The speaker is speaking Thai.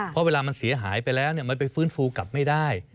เพราะเวลามันเสียหายไปแล้วมันไปฟื้นฟูกลับไม่ได้